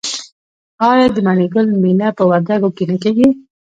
آیا د مڼې ګل میله په وردګو کې نه کیږي؟